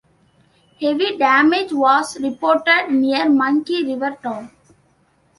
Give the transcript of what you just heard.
Heavy damage was reported near Monkey River Town.